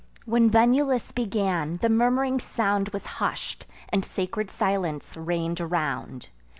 When Venulus began, the murmuring sound Was hush'd, and sacred silence reign'd around.